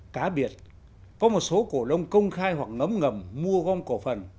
cá biệt có một số cổ lông công khai hoặc ngấm ngầm mua gom cổ phần